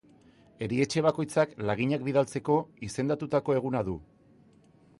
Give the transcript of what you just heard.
Erietxe bakoitzak laginak bidaltzeko izendatutako eguna du.